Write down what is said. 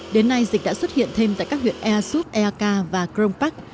đến nay dịch đã xuất hiện thêm tại các huyện easup eaka và krongpak